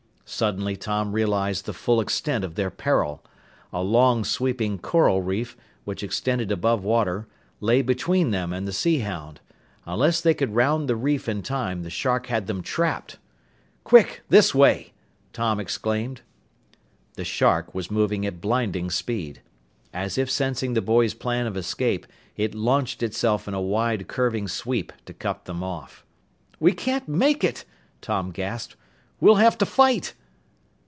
Suddenly Tom realized the full extent of their peril. A long, sweeping coral reef, which extended above water, lay between them and the Sea Hound. Unless they could round the reef in time, the shark had them trapped! "Quick! This way!" Tom exclaimed. The shark was moving at blinding speed. As if sensing the boys' plan of escape, it launched itself in a wide curving sweep to cut them off. "We can't make it!" Tom gasped. "We'll have to fight!"